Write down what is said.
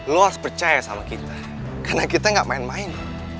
lo harus percaya sama kita karena kita gak main main